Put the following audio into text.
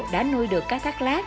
đã nuôi được cá thác lát